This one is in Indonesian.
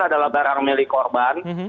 adalah barang mirip korban